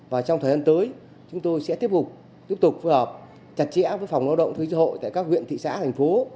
và trong thời gian tới chúng tôi sẽ tiếp tục phù hợp chặt chẽ với phòng lao động thuê chứa hội tại các huyện thị xã thành phố